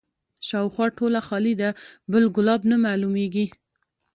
شاوخوا ټوله خالي ده بل ګلاب نه معلومیږي